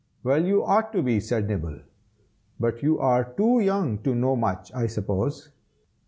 "Well, you ought to be!" said Nibble, "but you are too young to know much, I suppose.